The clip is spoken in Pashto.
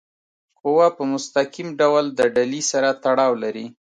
قوه په مستقیم ډول د ډلي سره تړاو لري.